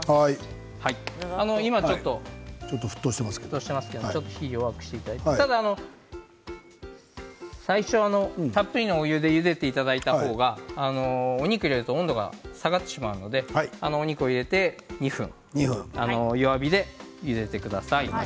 今ちょっと沸騰していますけど火を弱くしていただいて最初たっぷりのお湯でゆでていただいた方がお肉を入れると温度が下がってしまうのでお肉を入れて２分弱火で、ゆでてください。